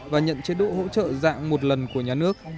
và nhận chế độ hỗ trợ dạng một lần của nhà nước